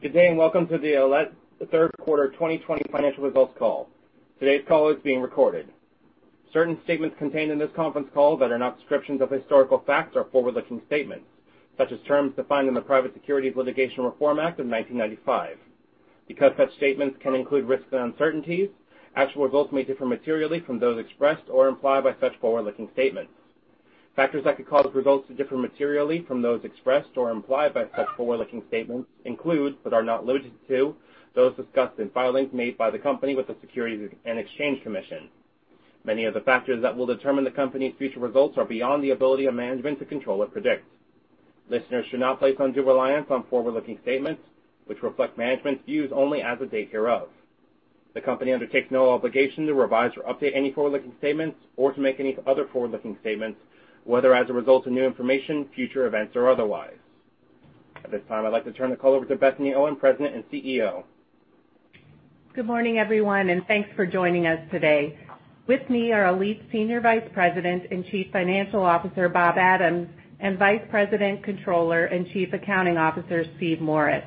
Good day, and welcome to the ALLETE third quarter 2020 financial results call. Today's call is being recorded. Certain statements contained in this conference call that are not descriptions of historical facts are forward-looking statements, such as terms defined in the Private Securities Litigation Reform Act of 1995. Because such statements can include risks and uncertainties, actual results may differ materially from those expressed or implied by such forward-looking statements. Factors that could cause results to differ materially from those expressed or implied by such forward-looking statements include, but are not limited to, those discussed in filings made by the company with the Securities and Exchange Commission. Many of the factors that will determine the company's future results are beyond the ability of management to control or predict. Listeners should not place undue reliance on forward-looking statements, which reflect management's views only as of date hereof. The company undertakes no obligation to revise or update any forward-looking statements or to make any other forward-looking statements, whether as a result of new information, future events, or otherwise. At this time, I'd like to turn the call over to Bethany Owen, President and CEO. Good morning, everyone, and thanks for joining us today. With me are ALLETE's Senior Vice President and Chief Financial Officer, Bob Adams, and Vice President, Controller, and Chief Accounting Officer, Steve Morris.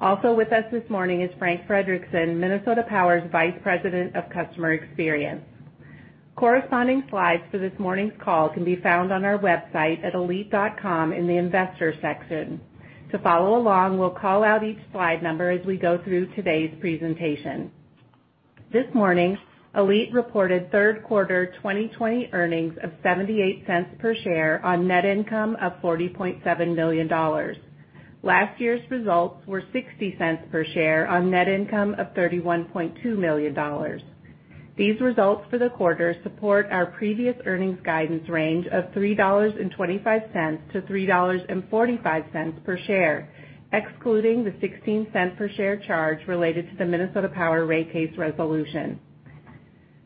Also with us this morning is Frank Frederickson, Minnesota Power's Vice President of Customer Experience. Corresponding slides for this morning's call can be found on our website at allete.com in the Investors section. To follow along, we'll call out each slide number as we go through today's presentation. This morning, ALLETE reported third quarter 2020 earnings of $0.78 per share on net income of $40.7 million. Last year's results were $0.60 per share on net income of $31.2 million. These results for the quarter support our previous earnings guidance range of $3.25-$3.45 per share, excluding the $0.16 per share charge related to the Minnesota Power rate case resolution.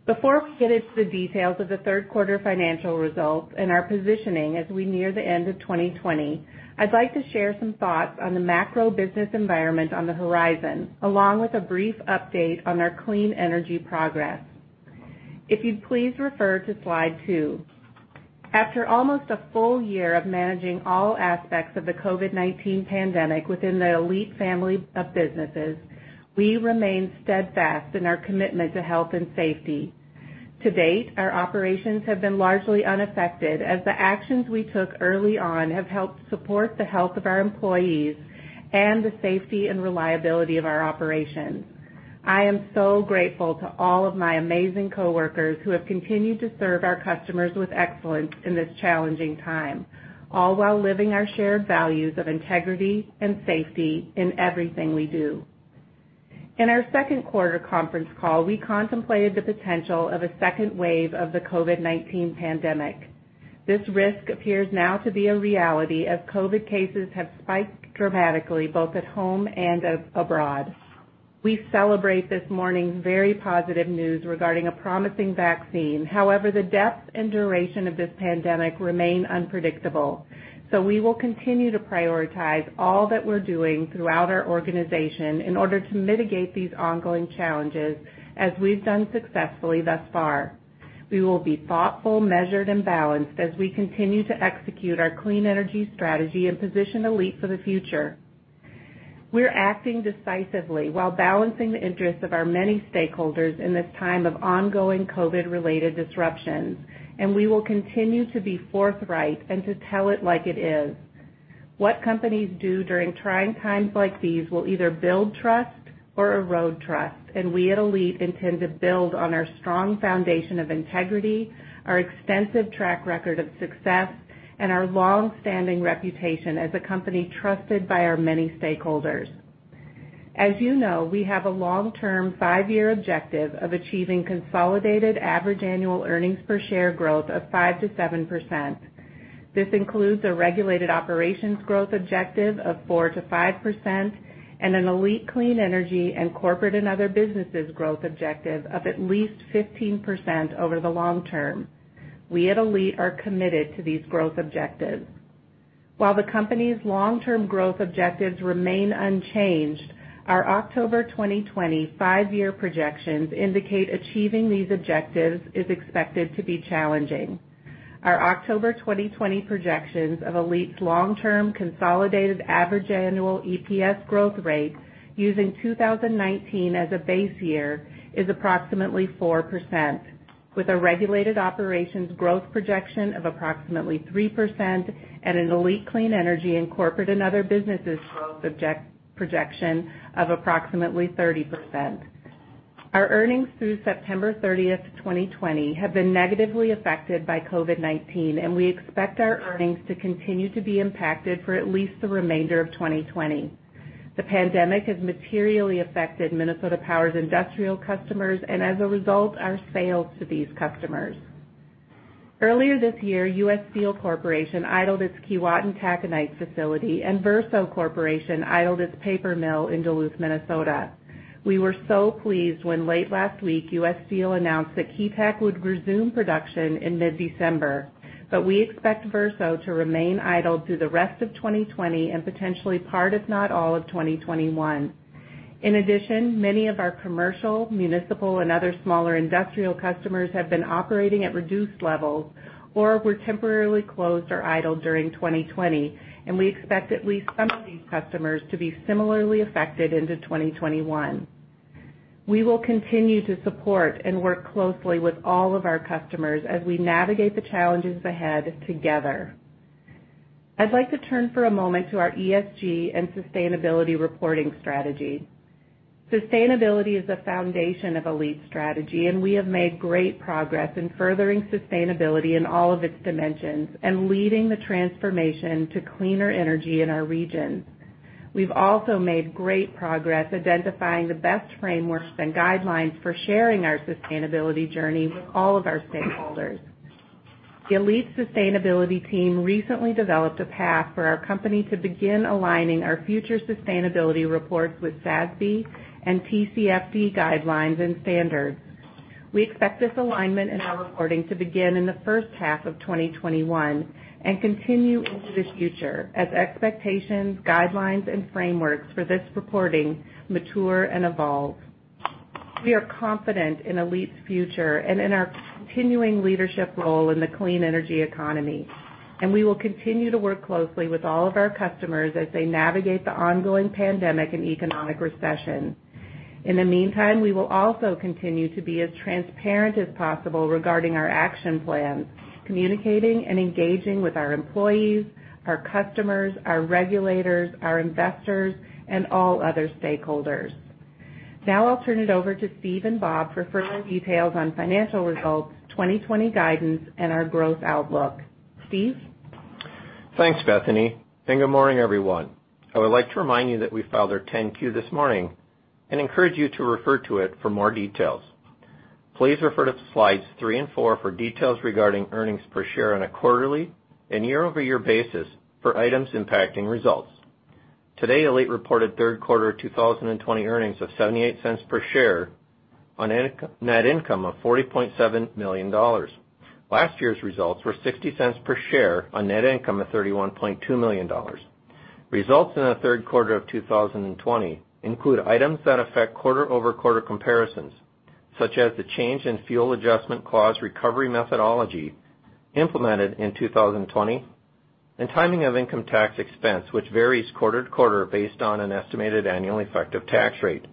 Before we get into the details of the third quarter financial results and our positioning as we near the end of 2020, I'd like to share some thoughts on the macro business environment on the horizon, along with a brief update on our clean energy progress. If you'd please refer to Slide two. After almost a full year of managing all aspects of the COVID-19 pandemic within the ALLETE family of businesses, we remain steadfast in our commitment to health and safety. To date, our operations have been largely unaffected as the actions we took early on have helped support the health of our employees and the safety and reliability of our operations. I am so grateful to all of my amazing coworkers who have continued to serve our customers with excellence in this challenging time, all while living our shared values of integrity and safety in everything we do. In our second quarter conference call, we contemplated the potential of a second wave of the COVID-19 pandemic. This risk appears now to be a reality as COVID cases have spiked dramatically, both at home and abroad. We celebrate this morning's very positive news regarding a promising vaccine. However, the depth and duration of this pandemic remain unpredictable. We will continue to prioritize all that we're doing throughout our organization in order to mitigate these ongoing challenges as we've done successfully thus far. We will be thoughtful, measured, and balanced as we continue to execute our clean energy strategy and position ALLETE for the future. We're acting decisively while balancing the interests of our many stakeholders in this time of ongoing COVID-related disruptions, and we will continue to be forthright and to tell it like it is. What companies do during trying times like these will either build trust or erode trust, and we at ALLETE intend to build on our strong foundation of integrity, our extensive track record of success, and our long-standing reputation as a company trusted by our many stakeholders. As you know, we have a long-term, five-year objective of achieving consolidated average annual earnings per share growth of 5% to 7%. This includes a regulated operations growth objective of 4% to 5% and an ALLETE Clean Energy and corporate and other businesses growth objective of at least 15% over the long term. We at ALLETE are committed to these growth objectives. While the company's long-term growth objectives remain unchanged, our October 2020 five-year projections indicate achieving these objectives is expected to be challenging. Our October 2020 projections of ALLETE's long-term consolidated average annual EPS growth rate using 2019 as a base year is approximately 4%, with a regulated operations growth projection of approximately 3% and an ALLETE Clean Energy and corporate and other businesses growth projection of approximately 30%. Our earnings through September 30, 2020, have been negatively affected by COVID-19, and we expect our earnings to continue to be impacted for at least the remainder of 2020. The pandemic has materially affected Minnesota Power's industrial customers and, as a result, our sales to these customers. Earlier this year, U.S. Steel Corporation idled its Keewatin Taconite facility, and Verso Corporation idled its paper mill in Duluth, Minnesota. We were so pleased when late last week, U.S. Steel announced that Keetac would resume production in mid-December, but we expect Verso to remain idle through the rest of 2020 and potentially part, if not all, of 2021. In addition, many of our commercial, municipal, and other smaller industrial customers have been operating at reduced levels or were temporarily closed or idled during 2020, and we expect at least some of these customers to be similarly affected into 2021. We will continue to support and work closely with all of our customers as we navigate the challenges ahead together. I'd like to turn for a moment to our ESG and sustainability reporting strategy. Sustainability is a foundation of ALLETE's strategy, and we have made great progress in furthering sustainability in all of its dimensions and leading the transformation to cleaner energy in our regions. We've also made great progress identifying the best frameworks and guidelines for sharing our sustainability journey with all of our stakeholders. The ALLETE sustainability team recently developed a path for our company to begin aligning our future sustainability reports with SASB and TCFD guidelines and standards. We expect this alignment in our reporting to begin in the first half of 2021 and continue into the future as expectations, guidelines, and frameworks for this reporting mature and evolve. We are confident in ALLETE's future and in our continuing leadership role in the clean energy economy, and we will continue to work closely with all of our customers as they navigate the ongoing pandemic and economic recession. In the meantime, we will also continue to be as transparent as possible regarding our action plans, communicating and engaging with our employees, our customers, our regulators, our investors, and all other stakeholders. Now I'll turn it over to Steve and Bob for further details on financial results, 2020 guidance, and our growth outlook. Steve? Thanks, Bethany. Good morning, everyone. I would like to remind you that we filed our 10-Q this morning and encourage you to refer to it for more details. Please refer to slides three and four for details regarding earnings per share on a quarterly and year-over-year basis for items impacting results. Today, ALLETE reported third quarter 2020 earnings of $0.78 per share on net income of $40.7 million. Last year's results were $0.60 per share on net income of $31.2 million. Results in the third quarter of 2020 include items that affect quarter-over-quarter comparisons, such as the change in fuel adjustment clause recovery methodology implemented in 2020 and timing of income tax expense, which varies quarter to quarter based on an estimated annual effective tax rate.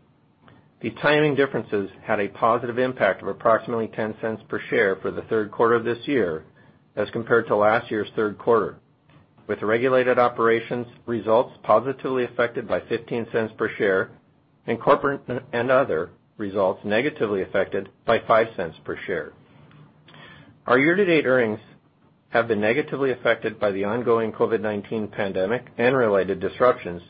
These timing differences had a positive impact of approximately $0.10 per share for the third quarter of this year as compared to last year's third quarter. With the regulated operations results positively affected by $0.15 per share and corporate and other results negatively affected by $0.05 per share. Our year-to-date earnings have been negatively affected by the ongoing COVID-19 pandemic and related disruptions,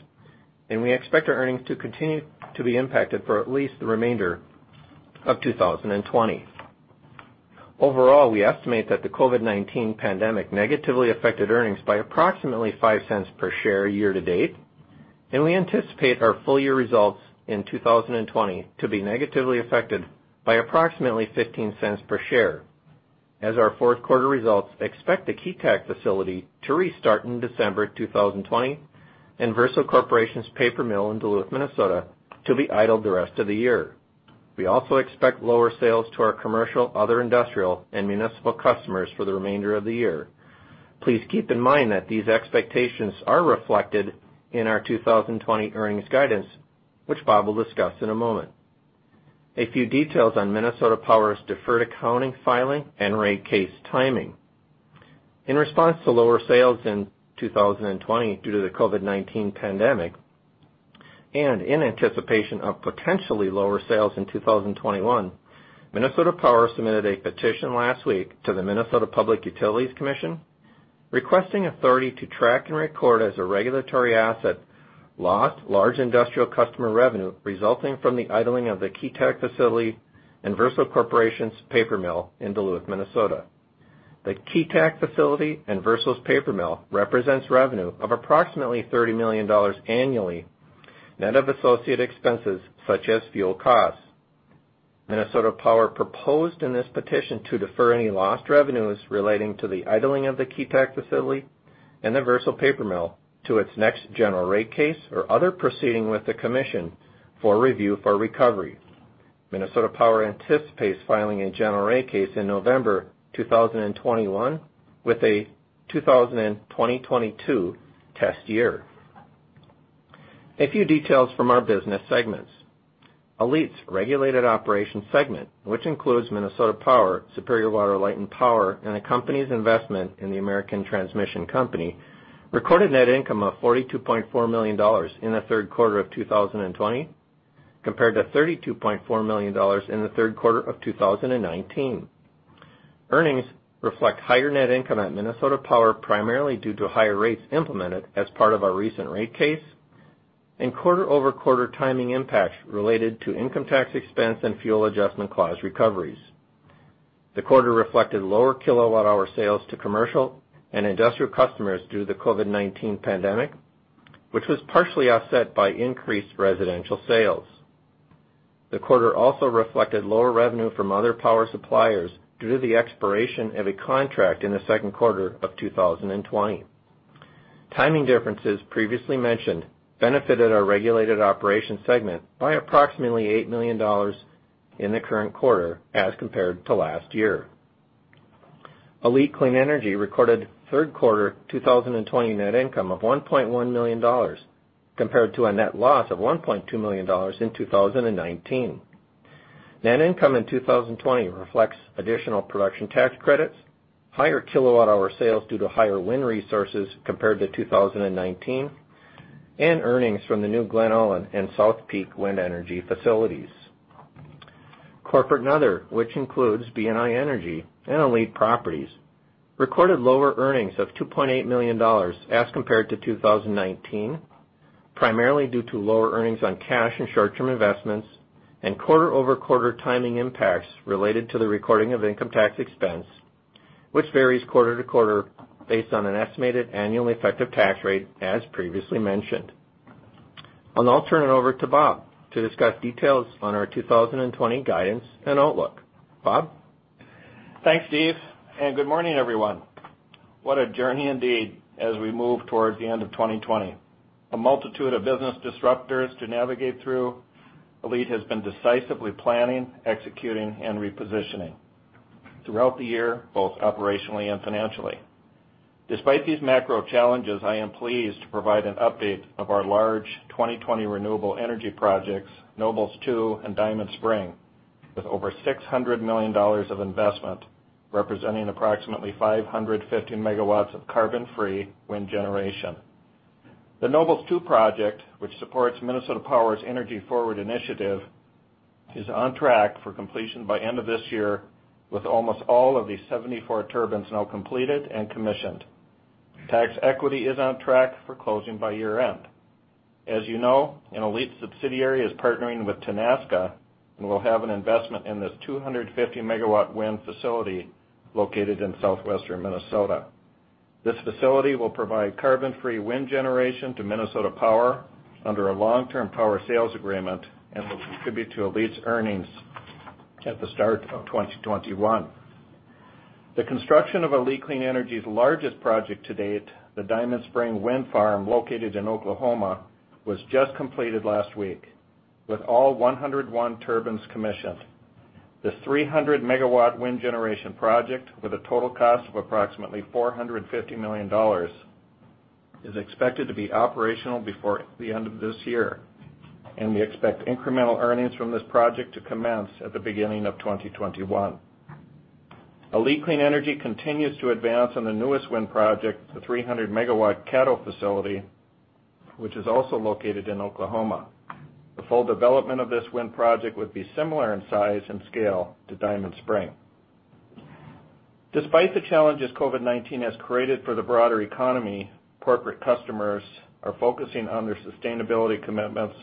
and we expect our earnings to continue to be impacted for at least the remainder of 2020. Overall, we estimate that the COVID-19 pandemic negatively affected earnings by approximately $0.05 per share year-to-date, and we anticipate our full year results in 2020 to be negatively affected by approximately $0.15 per share as our fourth quarter results expect the Keetac facility to restart in December 2020 and Verso Corporation's paper mill in Duluth, Minnesota, to be idled the rest of the year. We also expect lower sales to our commercial, other industrial, and municipal customers for the remainder of the year. Please keep in mind that these expectations are reflected in our 2020 earnings guidance, which Bob will discuss in a moment. A few details on Minnesota Power's deferred accounting filing and rate case timing. In response to lower sales in 2020 due to the COVID-19 pandemic, and in anticipation of potentially lower sales in 2021, Minnesota Power submitted a petition last week to the Minnesota Public Utilities Commission requesting authority to track and record as a regulatory asset lost large industrial customer revenue resulting from the idling of the Keetac facility and Verso Corporation's paper mill in Duluth, Minnesota. The Keetac facility and Verso's paper mill represents revenue of approximately $30 million annually, net of associate expenses such as fuel costs. Minnesota Power proposed in this petition to defer any lost revenues relating to the idling of the Keetac facility and the Verso paper mill to its next general rate case or other proceeding with the commission for review for recovery. Minnesota Power anticipates filing a general rate case in November 2021 with a 2022 test year. A few details from our business segments. ALLETE's Regulated Operations segment, which includes Minnesota Power, Superior Water, Light and Power, and the company's investment in the American Transmission Company, recorded net income of $42.4 million in the third quarter of 2020, compared to $32.4 million in the third quarter of 2019. Earnings reflect higher net income at Minnesota Power, primarily due to higher rates implemented as part of our recent rate case and quarter-over-quarter timing impacts related to income tax expense and fuel adjustment clause recoveries. The quarter reflected lower kilowatt hour sales to commercial and industrial customers due to the COVID-19 pandemic, which was partially offset by increased residential sales. The quarter also reflected lower revenue from other power suppliers due to the expiration of a contract in the second quarter of 2020. Timing differences previously mentioned benefited our regulated operations segment by approximately $8 million in the current quarter as compared to last year. ALLETE Clean Energy recorded third quarter 2020 net income of $1.1 million, compared to a net loss of $1.2 million in 2019. Net income in 2020 reflects additional production tax credits, higher kilowatt hour sales due to higher wind resources compared to 2019, and earnings from the new Glen Ullin and South Peak wind energy facilities. Corporate and other, which includes BNI Energy and ALLETE Properties, recorded lower earnings of $2.8 million as compared to 2019, primarily due to lower earnings on cash and short-term investments, and quarter-over-quarter timing impacts related to the recording of income tax expense, which varies quarter to quarter based on an estimated annual effective tax rate, as previously mentioned. I'll turn it over to Bob to discuss details on our 2020 guidance and outlook. Bob? Thanks, Steve. Good morning, everyone. What a journey indeed, as we move towards the end of 2020. A multitude of business disruptors to navigate through. ALLETE has been decisively planning, executing, and repositioning throughout the year, both operationally and financially. Despite these macro challenges, I am pleased to provide an update of our large 2020 renewable energy projects, Nobles 2 and Diamond Spring, with over $600 million of investment, representing approximately 550 MW of carbon-free wind generation. The Nobles 2 project, which supports Minnesota Power's EnergyForward initiative, is on track for completion by end of this year, with almost all of the 74 turbines now completed and commissioned. Tax equity is on track for closing by year-end. As you know, an ALLETE subsidiary is partnering with Tenaska and will have an investment in this 250-MW wind facility located in southwestern Minnesota. This facility will provide carbon-free wind generation to Minnesota Power under a long-term power sales agreement and will contribute to ALLETE's earnings at the start of 2021. The construction of ALLETE Clean Energy's largest project to date, the Diamond Spring Wind Farm, located in Oklahoma, was just completed last week, with all 101 turbines commissioned. The 300-megawatt wind generation project, with a total cost of approximately $450 million, is expected to be operational before the end of this year, and we expect incremental earnings from this project to commence at the beginning of 2021. ALLETE Clean Energy continues to advance on the newest wind project, the 300-megawatt Caddo facility, which is also located in Oklahoma. The full development of this wind project would be similar in size and scale to Diamond Spring. Despite the challenges COVID-19 has created for the broader economy, corporate customers are focusing on their sustainability commitments,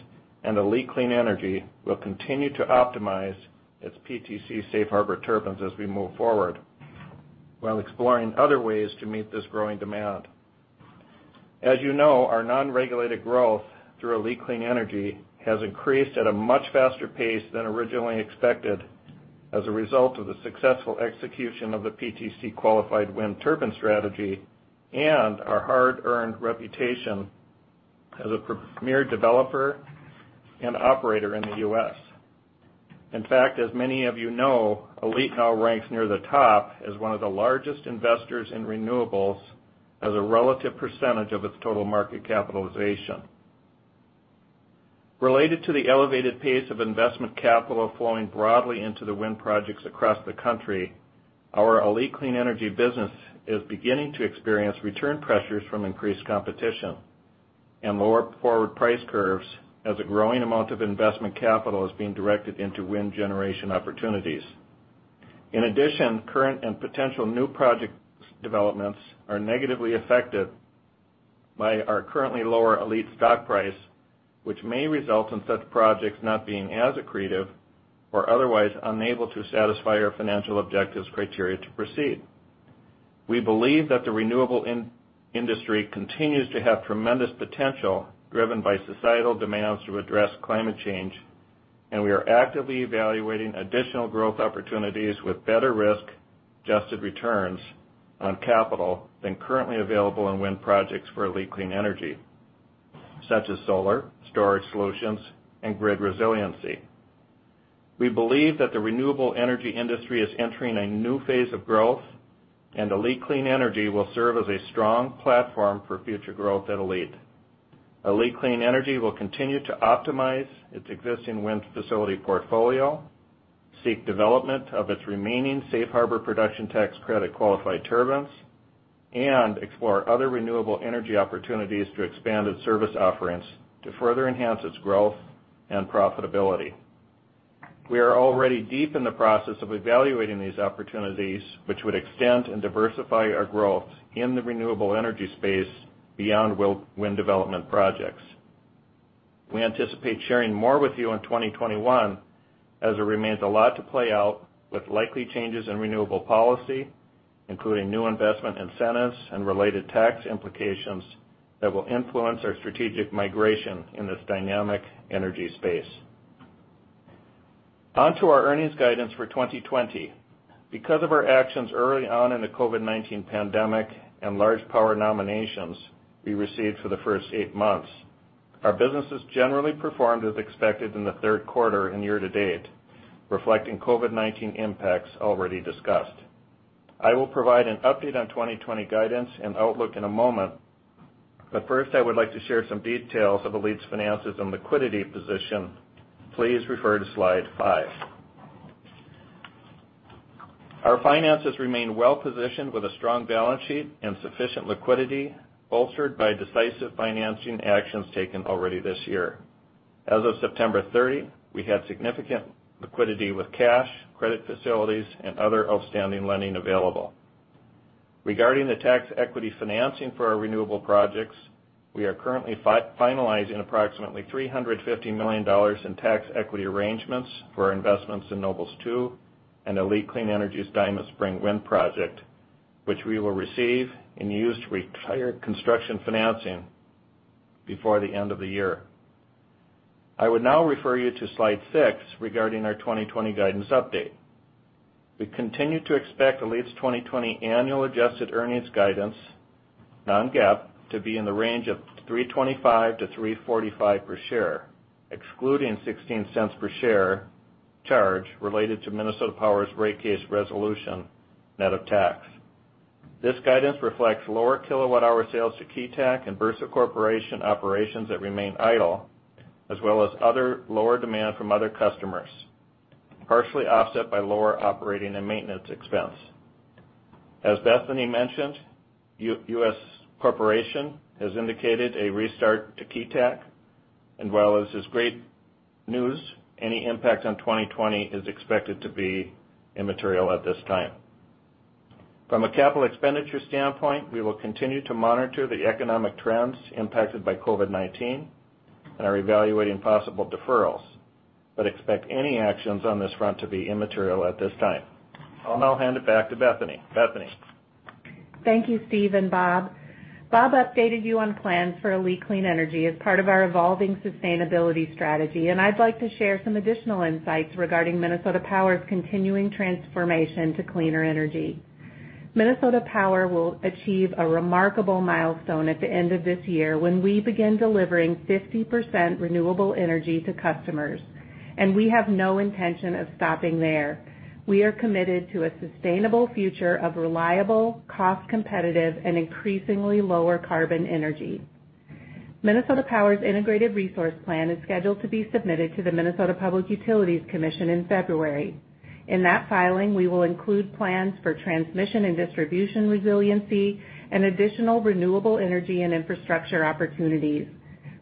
and ALLETE Clean Energy will continue to optimize its PTC safe harbor turbines as we move forward while exploring other ways to meet this growing demand. As you know, our non-regulated growth through ALLETE Clean Energy has increased at a much faster pace than originally expected as a result of the successful execution of the PTC qualified wind turbine strategy and our hard-earned reputation as a premier developer and operator in the U.S. In fact, as many of you know, ALLETE now ranks near the top as one of the largest investors in renewables as a relative percentage of its total market capitalization. Related to the elevated pace of investment capital flowing broadly into the wind projects across the country, our ALLETE Clean Energy business is beginning to experience return pressures from increased competition and lower forward price curves as a growing amount of investment capital is being directed into wind generation opportunities. In addition, current and potential new project developments are negatively affected by our currently lower ALLETE stock price, which may result in such projects not being as accretive or otherwise unable to satisfy our financial objectives criteria to proceed. We believe that the renewable industry continues to have tremendous potential, driven by societal demands to address climate change, and we are actively evaluating additional growth opportunities with better risk-adjusted returns on capital than currently available in wind projects for ALLETE Clean Energy, such as solar, storage solutions, and grid resiliency. We believe that the renewable energy industry is entering a new phase of growth, and ALLETE Clean Energy will serve as a strong platform for future growth at ALLETE. ALLETE Clean Energy will continue to optimize its existing wind facility portfolio, seek development of its remaining safe harbor production tax credit-qualified turbines, and explore other renewable energy opportunities to expand its service offerings to further enhance its growth and profitability. We are already deep in the process of evaluating these opportunities, which would extend and diversify our growth in the renewable energy space beyond wind development projects. We anticipate sharing more with you in 2021, as there remains a lot to play out with likely changes in renewable policy, including new investment incentives and related tax implications that will influence our strategic migration in this dynamic energy space. On to our earnings guidance for 2020. Because of our actions early on in the COVID-19 pandemic and large power nominations we received for the first eight months, our businesses generally performed as expected in the third quarter and year to date, reflecting COVID-19 impacts already discussed. I will provide an update on 2020 guidance and outlook in a moment, but first, I would like to share some details of ALLETE's finances and liquidity position. Please refer to slide five. Our finances remain well-positioned with a strong balance sheet and sufficient liquidity, bolstered by decisive financing actions taken already this year. As of September 30, we had significant liquidity with cash, credit facilities, and other outstanding lending available. Regarding the tax equity financing for our renewable projects, we are currently finalizing approximately $350 million in tax equity arrangements for our investments in Nobles 2 and ALLETE Clean Energy's Diamond Spring Wind Project, which we will receive and use to retire construction financing before the end of the year. I would now refer you to slide six regarding our 2020 guidance update. We continue to expect ALLETE's 2020 annual adjusted earnings guidance, non-GAAP, to be in the range of $3.25-$3.45 per share, excluding $0.16 per share charge related to Minnesota Power's rate case resolution, net of tax. This guidance reflects lower kilowatt hour sales to Keetac and Verso Corporation operations that remain idle, as well as other lower demand from other customers, partially offset by lower operating and maintenance expense. As Bethany mentioned, U.S. Corporation has indicated a restart to Keetac. While this is great news, any impact on 2020 is expected to be immaterial at this time. From a capital expenditure standpoint, we will continue to monitor the economic trends impacted by COVID-19, and are evaluating possible deferrals, but expect any actions on this front to be immaterial at this time. I'll now hand it back to Bethany. Bethany? Thank you, Steve and Bob. Bob updated you on plans for ALLETE Clean Energy as part of our evolving sustainability strategy, and I'd like to share some additional insights regarding Minnesota Power's continuing transformation to cleaner energy. Minnesota Power will achieve a remarkable milestone at the end of this year, when we begin delivering 50% renewable energy to customers, and we have no intention of stopping there. We are committed to a sustainable future of reliable, cost-competitive, and increasingly lower carbon energy. Minnesota Power's integrated resource plan is scheduled to be submitted to the Minnesota Public Utilities Commission in February. In that filing, we will include plans for transmission and distribution resiliency and additional renewable energy and infrastructure opportunities.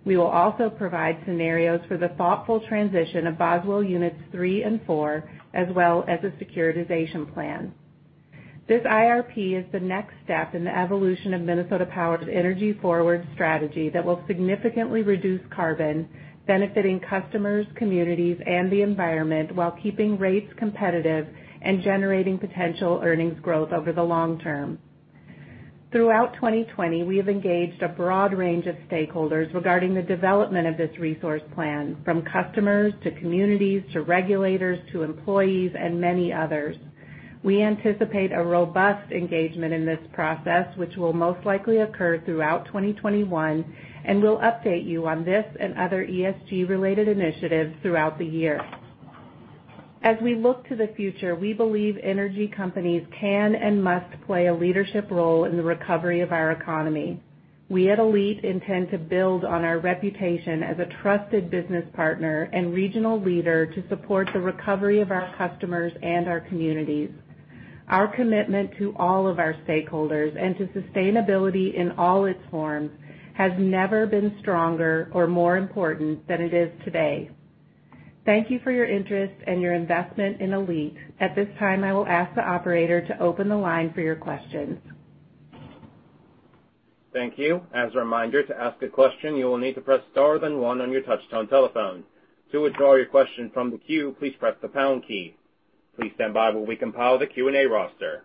We will also provide scenarios for the thoughtful transition of Boswell units 3 and 4, as well as a securitization plan. This IRP is the next step in the evolution of Minnesota Power's EnergyForward strategy that will significantly reduce carbon, benefiting customers, communities, and the environment, while keeping rates competitive and generating potential earnings growth over the long term. Throughout 2020, we have engaged a broad range of stakeholders regarding the development of this resource plan, from customers to communities to regulators to employees and many others. We anticipate a robust engagement in this process, which will most likely occur throughout 2021, and we'll update you on this and other ESG-related initiatives throughout the year. As we look to the future, we believe energy companies can and must play a leadership role in the recovery of our economy. We at ALLETE intend to build on our reputation as a trusted business partner and regional leader to support the recovery of our customers and our communities. Our commitment to all of our stakeholders and to sustainability in all its forms has never been stronger or more important than it is today. Thank you for your interest and your investment in ALLETE. At this time, I will ask the operator to open the line for your questions. Thank you. As a reminder, to ask a question, you will need to press star, then one on your touchtone telephone. To withdraw your question from the queue, please press the pound key. Please stand by while we compile the Q&A roster.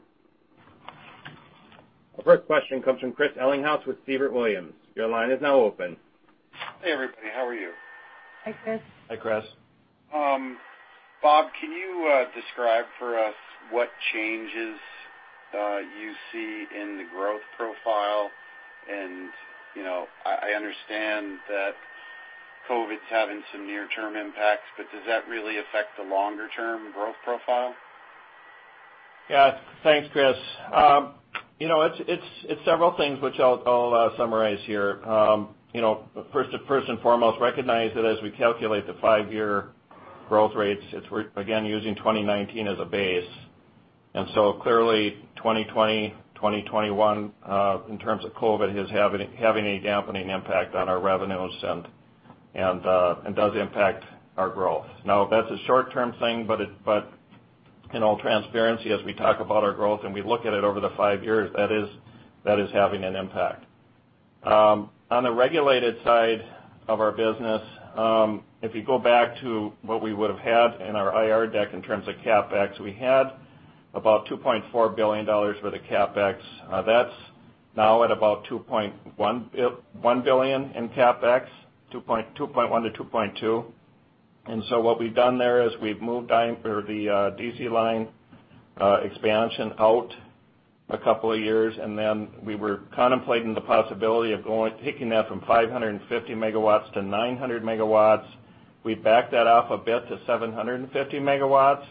Our first question comes from Chris Ellinghaus with Siebert Williams Shank. Your line is now open. Hey, everybody. How are you? Hi, Chris. Hi, Chris. Bob, can you describe for us what changes you see in the growth profile? I understand that COVID's having some near-term impacts, but does that really affect the longer-term growth profile? Yeah. Thanks, Chris. It's several things, which I'll summarize here. First and foremost, recognize that as we calculate the five-year growth rates, we're again using 2019 as a base. Clearly, 2020, 2021, in terms of COVID, is having a dampening impact on our revenues and does impact our growth. Now, that's a short-term thing, but in all transparency, as we talk about our growth and we look at it over the five years, that is having an impact. On the regulated side of our business, if you go back to what we would have had in our IR deck in terms of CapEx, we had about $2.4 billion for the CapEx. That's now at about $2.1 billion in CapEx, $2.1 billion-$2.2. What we've done there is we've moved the DC line expansion out a couple of years, then we were contemplating the possibility of taking that from 550 MW to 900 MW. We've backed that off a bit to 750 MW.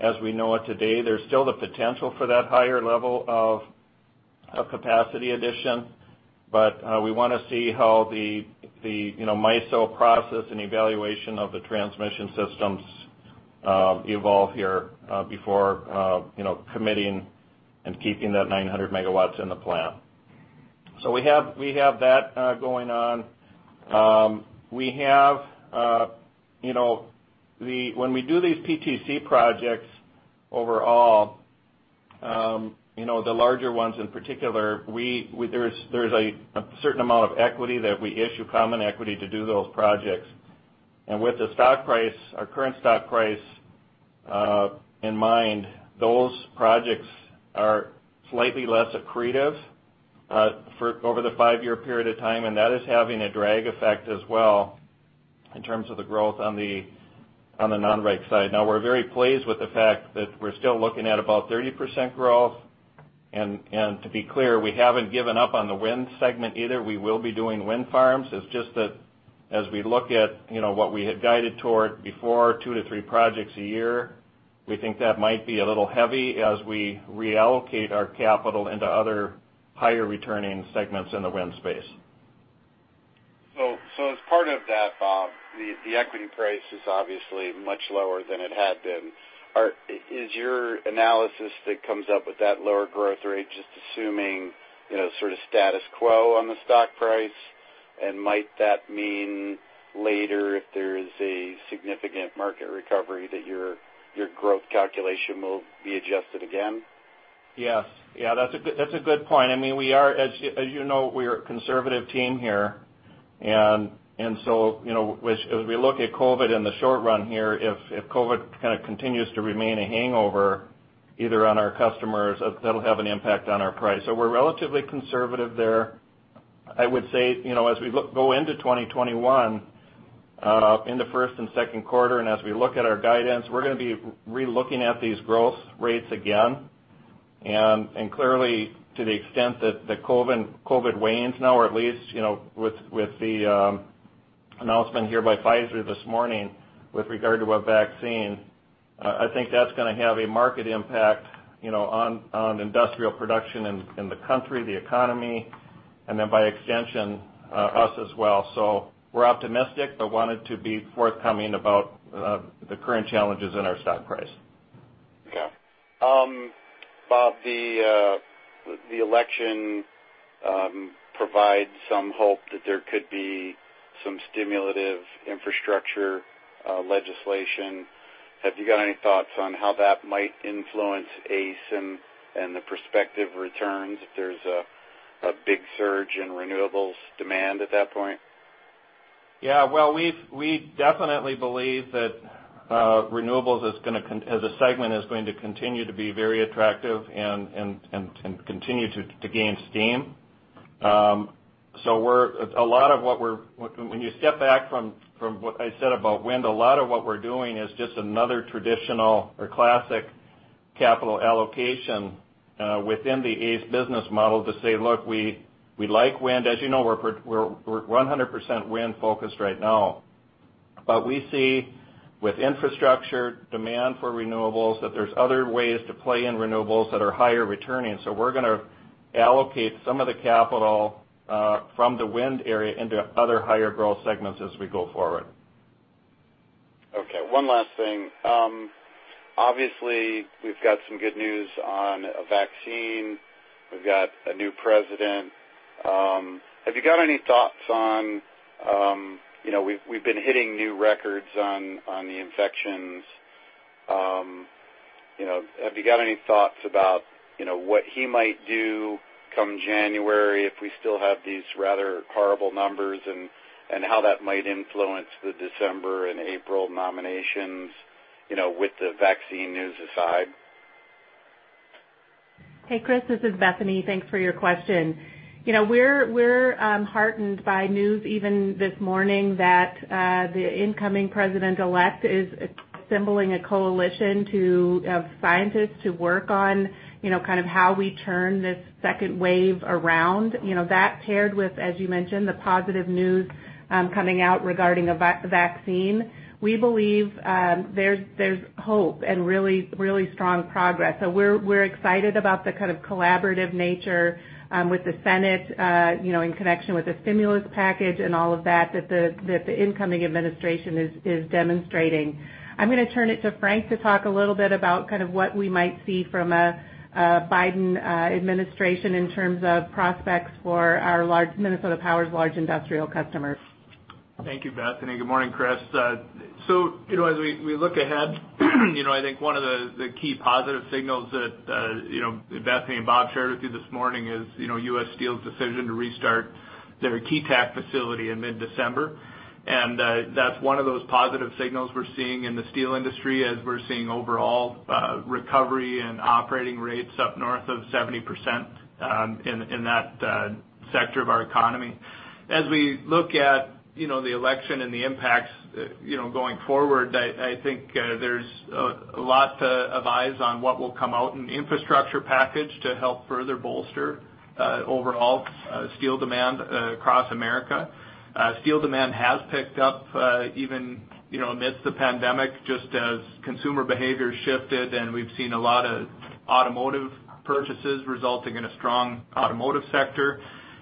As we know it today, there's still the potential for that higher level of capacity addition. We want to see how the MISO process and evaluation of the transmission systems evolve here before committing and keeping that 900 MW in the plan. We have that going on. When we do these PTC projects overall, the larger ones in particular, there's a certain amount of equity that we issue common equity to do those projects. With our current stock price in mind, those projects are slightly less accretive for over the five-year period of time, and that is having a drag effect as well, in terms of the growth on the non-GAAP side. We're very pleased with the fact that we're still looking at about 30% growth. To be clear, we haven't given up on the wind segment either. We will be doing wind farms. It's just that as we look at what we had guided toward before 2 to 3 projects a year, we think that might be a little heavy as we reallocate our capital into other higher returning segments in the wind space. As part of that, Bob, the equity price is obviously much lower than it had been. Is your analysis that comes up with that lower growth rate just assuming sort of status quo on the stock price? Might that mean later, if there is a significant market recovery, that your growth calculation will be adjusted again? Yes. That's a good point. As you know, we are a conservative team here. As we look at COVID in the short run here, if COVID kind of continues to remain a hangover, either on our customers, that'll have an impact on our price. We're relatively conservative there. I would say, as we go into 2021, in the first and second quarter, and as we look at our guidance, we're going to be re-looking at these growth rates again. Clearly, to the extent that COVID wanes now, or at least, with the announcement here by Pfizer this morning with regard to a vaccine, I think that's going to have a market impact on industrial production in the country, the economy, and then by extension, us as well. We're optimistic, but wanted to be forthcoming about the current challenges in our stock price. Okay. Bob, the election provides some hope that there could be some stimulative infrastructure legislation. Have you got any thoughts on how that might influence ACE and the prospective returns if there's a big surge in renewables demand at that point? Well, we definitely believe that renewables as a segment is going to continue to be very attractive and continue to gain steam. When you step back from what I said about wind, a lot of what we're doing is just another traditional or classic capital allocation within the ACE business model to say, look, we like wind. As you know, we're 100% wind-focused right now. We see with infrastructure demand for renewables, that there's other ways to play in renewables that are higher returning. We're going to allocate some of the capital from the wind area into other higher growth segments as we go forward. Okay. One last thing. Obviously, we've got some good news on a vaccine. We've got a new president. We've been hitting new records on the infections. Have you got any thoughts about what he might do come January if we still have these rather horrible numbers, and how that might influence the December and April nominations with the vaccine news aside? Hey, Chris, this is Bethany. Thanks for your question. We're heartened by news even this morning that the incoming president-elect is assembling a coalition of scientists to work on kind of how we turn this second wave around. That paired with, as you mentioned, the positive news coming out regarding a vaccine. We believe there's hope and really strong progress. We're excited about the kind of collaborative nature with the Senate in connection with the stimulus package and all of that the incoming administration is demonstrating. I'm going to turn it to Frank to talk a little bit about kind of what we might see from a Biden administration in terms of prospects for Minnesota Power's large industrial customers. Thank you, Bethany. Good morning, Chris. As we look ahead, I think one of the key positive signals that Bethany and Bob shared with you this morning is U.S. Steel's decision to restart their Keetac facility in mid-December. That's one of those positive signals we're seeing in the steel industry as we're seeing overall recovery and operating rates up north of 70% in that sector of our economy. As we look at the election and the impacts going forward, I think there's a lot of eyes on what will come out in the infrastructure package to help further bolster overall steel demand across America. Steel demand has picked up even amidst the pandemic, just as consumer behavior shifted, and we've seen a lot of automotive purchases resulting in a strong automotive sector.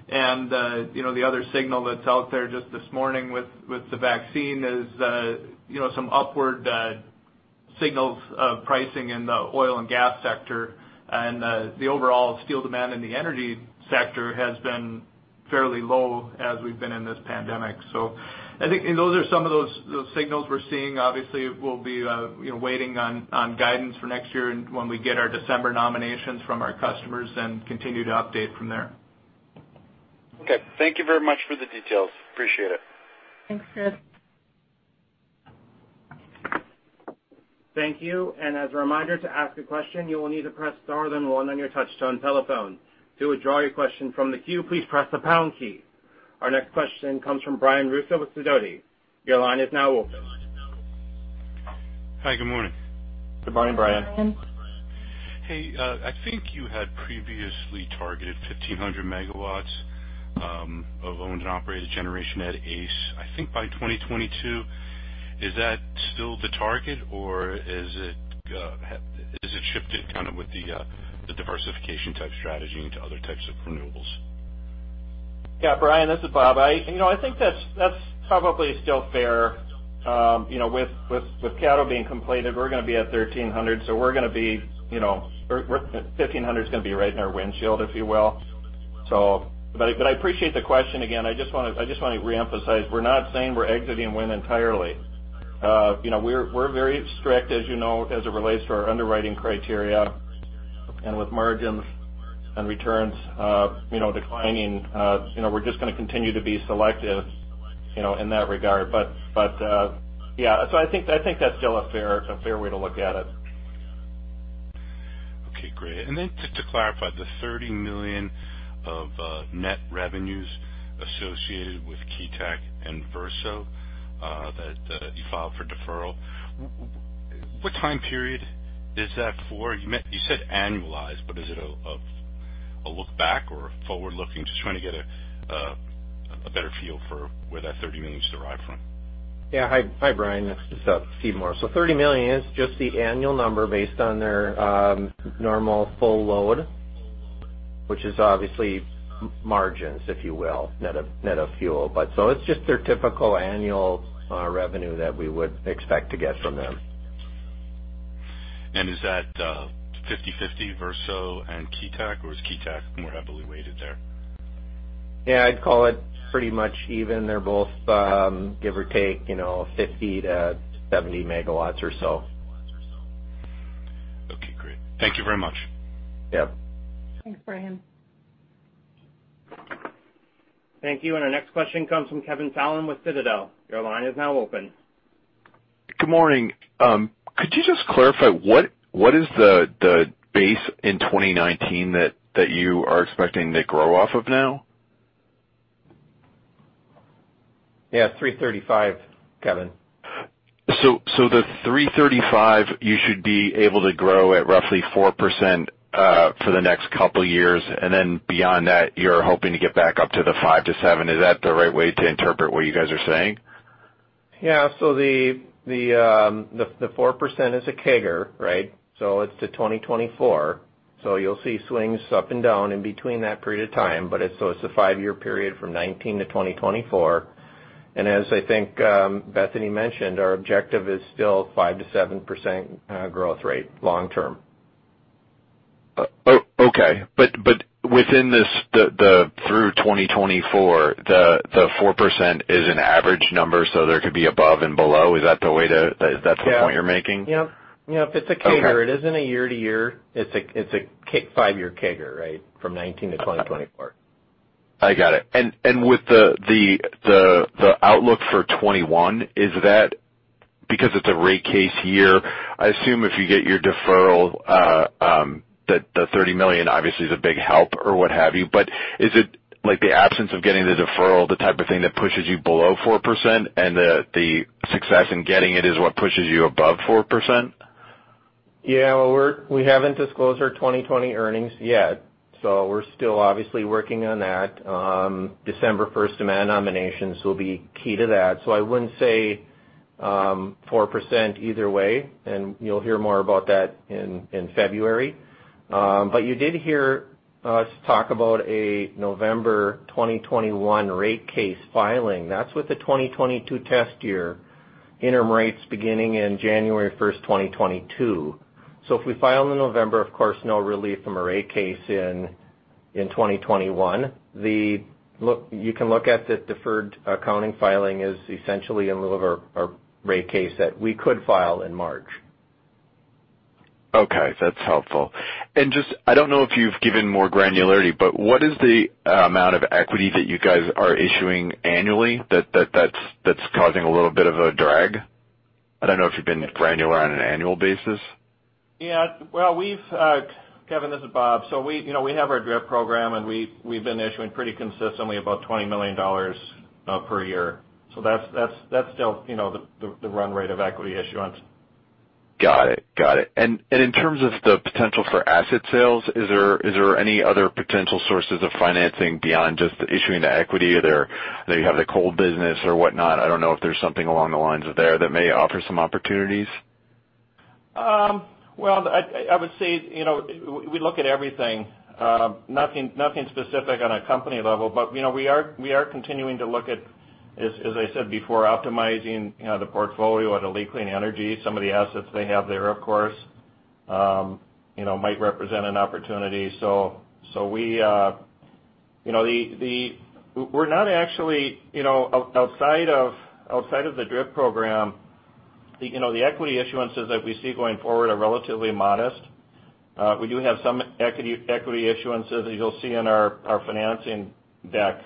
The other signal that's out there just this morning with the vaccine is some upward signals of pricing in the oil and gas sector. The overall steel demand in the energy sector has been fairly low as we've been in this pandemic. I think those are some of those signals we're seeing. Obviously, we'll be waiting on guidance for next year and when we get our December nominations from our customers and continue to update from there. Okay. Thank you very much for the details. Appreciate it. Thanks, Chris. Thank you. As a reminder, to ask a question, you will need to press star then one on your touch-tone telephone. To withdraw your question from the queue, please press the pound key. Our next question comes from Brian Russo with Sidoti. Your line is now open. Hi, good morning. Good morning, Brian. Good morning. Hey, I think you had previously targeted 1,500 megawatts of owned and operated generation at ACE, I think by 2022. Is that still the target, or has it shifted kind of with the diversification-type strategy into other types of renewables? Yeah, Brian, this is Bob. I think that's probably still fair. With Caddo being completed, we're going to be at 1,300. 1,500 is going to be right in our windshield, if you will. I appreciate the question. Again, I just want to reemphasize, we're not saying we're exiting wind entirely. We're very strict as it relates to our underwriting criteria. With margins and returns declining, we're just going to continue to be selective in that regard. Yeah. I think that's still a fair way to look at it. Okay, great. Just to clarify, the $30 million of net revenues associated with Keetac and Verso that you filed for deferral, what time period is that for? You said annualized, but is it a look back or forward-looking? Just trying to get a better feel for where that $30 million is derived from. Yeah. Hi, Brian. This is Steve Morris. $30 million is just the annual number based on their normal full load, which is obviously margins, if you will, net of fuel. It's just their typical annual revenue that we would expect to get from them. Is that 50/50 Verso and Keetac, or is Keetac more heavily weighted there? Yeah, I'd call it pretty much even. They're both give or take 50 MW-70 MW or so. Okay, great. Thank you very much. Yep. Thanks, Brian. Thank you. Our next question comes from Kevin Fallon with Citadel. Your line is now open. Good morning. Could you just clarify what is the base in 2019 that you are expecting to grow off of now? Yeah, 335, Kevin. The 335, you should be able to grow at roughly 4% for the next couple of years. Beyond that, you're hoping to get back up to the 5%-7%. Is that the right way to interpret what you guys are saying? Yeah. The 4% is a CAGR, right? It's to 2024. You'll see swings up and down in between that period of time. It's a five-year period from 2019 to 2024. As I think Bethany mentioned, our objective is still five to seven % growth rate long term. Okay. Within this through 2024, the 4% is an average number, so there could be above and below. Is that the point you're making? Yep. It's a CAGR. Okay. It isn't a year to year. It's a five-year CAGR, right? From 2019 to 2024. I got it. With the outlook for 2021, because it's a rate case year, I assume if you get your deferral, the $30 million obviously is a big help or what have you. Is it like the absence of getting the deferral, the type of thing that pushes you below 4%, and the success in getting it is what pushes you above 4%? Well, we haven't disclosed our 2020 earnings yet, so we're still obviously working on that. December 1st demand nominations will be key to that. I wouldn't say 4% either way, and you'll hear more about that in February. You did hear us talk about a November 2021 rate case filing. That's with the 2022 test year interim rates beginning in January 1st, 2022. If we file in November, of course, no relief from a rate case in 2021, you can look at the deferred accounting filing is essentially in lieu of our rate case that we could file in March. Okay. That's helpful. I don't know if you've given more granularity, but what is the amount of equity that you guys are issuing annually that's causing a little bit of a drag? I don't know if you've been granular on an annual basis. Yeah. Well, Kevin, this is Bob. We have our DRIP program, and we've been issuing pretty consistently about $20 million per year. That's still the run rate of equity issuance. Got it. In terms of the potential for asset sales, is there any other potential sources of financing beyond just issuing the equity? You have the coal business or whatnot. I don't know if there's something along the lines there that may offer some opportunities. Well, I would say, we look at everything. Nothing specific on a company level. We are continuing to look at, as I said before, optimizing the portfolio out of ALLETE Clean Energy. Some of the assets they have there, of course, might represent an opportunity. We're not actually outside of the DRIP program. The equity issuances that we see going forward are relatively modest. We do have some equity issuances, as you'll see in our financing deck.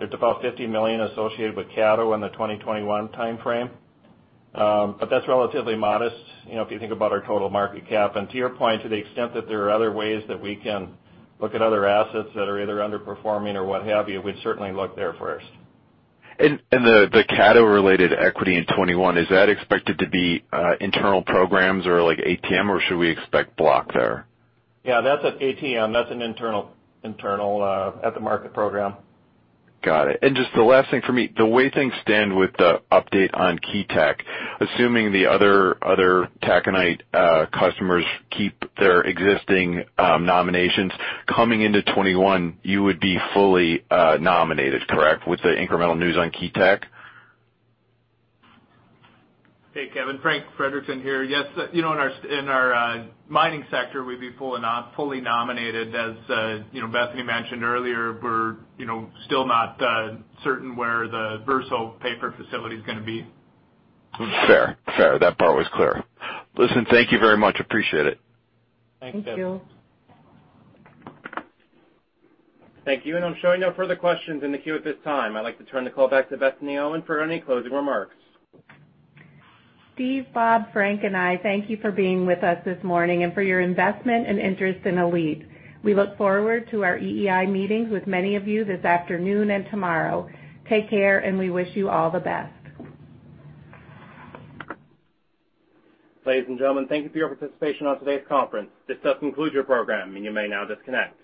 There's about $50 million associated with Caddo in the 2021 timeframe. That's relatively modest, if you think about our total market cap. To your point, to the extent that there are other ways that we can look at other assets that are either underperforming or what have you, we'd certainly look there first. The Caddo-related equity in 2021, is that expected to be internal programs or like ATM, or should we expect block there? Yeah, that's an ATM. That's an internal at-the-market program. Got it. Just the last thing for me, the way things stand with the update on Keetac, assuming the other taconite customers keep their existing nominations, coming into 2021, you would be fully nominated, correct, with the incremental news on Keetac? Hey, Kevin. Frank Frederickson here. Yes. In our mining sector, we'd be fully nominated. As Bethany mentioned earlier, we're still not certain where the Verso paper facility is going to be. Fair. That part was clear. Listen, thank you very much. Appreciate it. Thanks, Kevin. Thank you. Thank you. I'm showing no further questions in the queue at this time. I'd like to turn the call back to Bethany Owen for any closing remarks. Steve, Bob, Frank, and I thank you for being with us this morning and for your investment and interest in ALLETE. We look forward to our EEI meetings with many of you this afternoon and tomorrow. Take care, and we wish you all the best. Ladies and gentlemen, thank you for your participation on today's conference. This does conclude your program, and you may now disconnect.